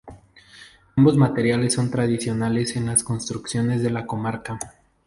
Ambos materiales son tradicionales en las construcciones de la comarca.